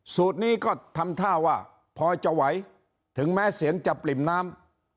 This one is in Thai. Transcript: สูตรนี้ก็ทำท่าว่าพอจะไหวถึงแม้เสียงจะปริ่มน้ำ